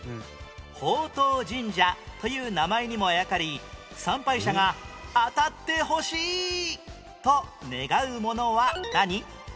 宝当神社という名前にもあやかり参拝者が「当たってほしい！」と願うものは何？